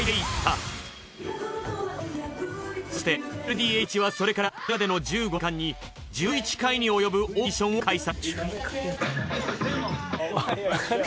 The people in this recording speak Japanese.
更にそしてＬＤＨはそれからこれまでの１５年間に１１回に及ぶオーディションを開催。